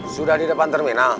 sudah di depan terminal